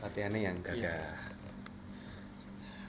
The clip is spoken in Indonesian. latihannya yang gagah